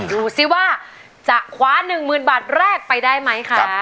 ดูสิว่าจะคว้าหนึ่งหมื่นบาทแรกไปได้ไหมคะ